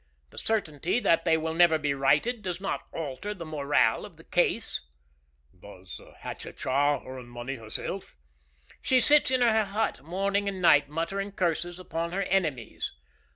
The certainty that they will never be righted does not alter the morale of the case." "Does Hatatcha earn money herself?" "She sits in her hut morning and night, muttering curses upon her enemies."